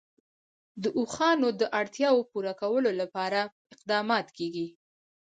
د اوښانو د اړتیاوو پوره کولو لپاره اقدامات کېږي.